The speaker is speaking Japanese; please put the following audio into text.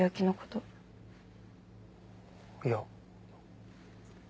いや。